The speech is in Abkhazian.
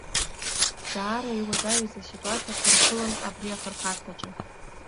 Даара иуадаҩыз аситуациақәа рԥылон абри ахырхарҭаҿы.